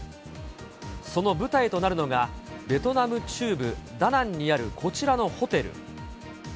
その舞台となるのが、ベトナム中部ダナンにある、こちらのホテル。